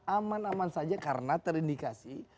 aman aman saja karena terindikasi